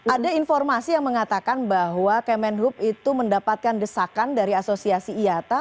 ada informasi yang mengatakan bahwa kemenhub itu mendapatkan desakan dari asosiasi iata